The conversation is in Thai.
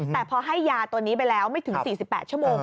แต่พอให้ยาตัวนี้ไปแล้วไม่ถึง๔๘ชั่วโมง